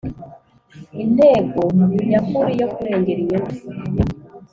Intego nyakuri yo kurengera inyungu